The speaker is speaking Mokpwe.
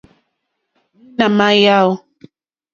Mǐnà má yáò.